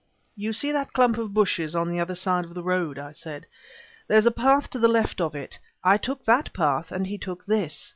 "You see that clump of bushes on the other side of the road?" I said. "There's a path to the left of it. I took that path and he took this.